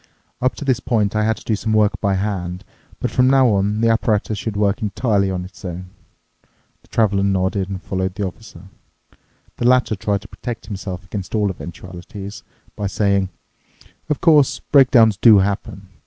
"Up to this point I had to do some work by hand, but from now on the apparatus should work entirely on its own." The Traveler nodded and followed the Officer. The latter tried to protect himself against all eventualities by saying, "Of course, breakdowns do happen.